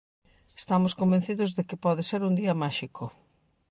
Estamos convencidos de que pode ser un día máxico.